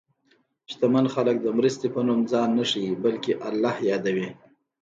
شتمن خلک د مرستې په نوم ځان نه ښيي، بلکې الله یادوي.